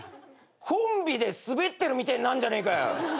コンビでスベってるみてえになんじゃねえかよ。